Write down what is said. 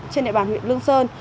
trên địa bàn huyện lương sơn